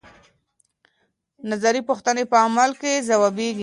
نظري پوښتنې په عمل کې ځوابيږي.